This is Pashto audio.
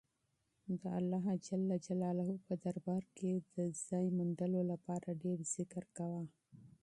د الله په دربار کې د مقام لپاره ډېر ذکر کوه.